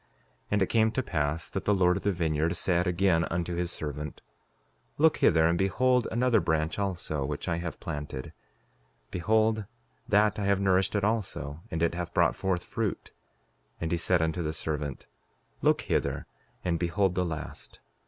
5:24 And it came to pass that the Lord of the vineyard said again unto his servant: Look hither, and behold another branch also, which I have planted; behold that I have nourished it also, and it hath brought forth fruit. 5:25 And he said unto the servant: Look hither and behold the last.